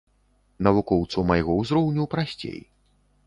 Навукоўцу майго ўзроўню прасцей.